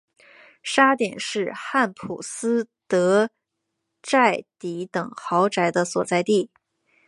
沙点是汉普斯德宅邸等豪宅的所在地。